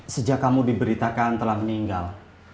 sejak kamu diberitakan telah meninggal